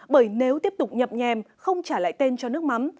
bởi nếu tiếp tục nhập nhèm không trả lại tên cho nước mắm